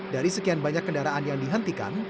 dari sekian banyak kendaraan yang dihentikan